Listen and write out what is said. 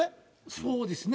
そうですね。